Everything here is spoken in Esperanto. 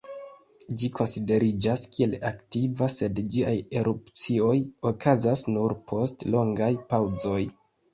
Ĝi konsideriĝas kiel aktiva, sed ĝiaj erupcioj okazas nur post longaj paŭzoj.